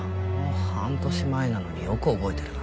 半年前なのによく覚えてるな。